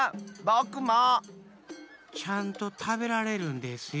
ちゃんとたべられるんですよ。